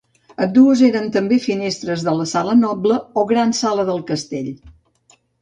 Ambdues eren també finestres de la sala noble o gran sala del castell.